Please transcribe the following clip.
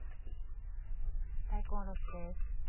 大根おろしです。